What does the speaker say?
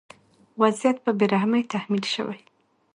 وضعیت په بې رحمۍ تحمیل شوی.